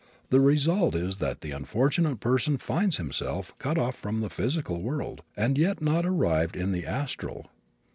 The result is that the unfortunate person finds himself cut off from the physical world and yet not arrived in the astral!